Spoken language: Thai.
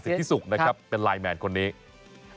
พิสุกนะครับเป็นไลน์แมนคนนี้